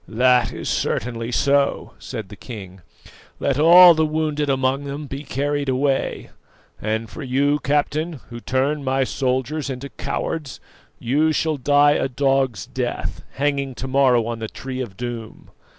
"That is certainly so," said the king. "Let all the wounded among them be carried away; and for you, captain, who turn my soldiers into cowards, you shall die a dog's death, hanging to morrow on the Tree of Doom.